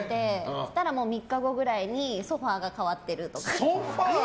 そしたら３日後くらいにソファが変わってるとか。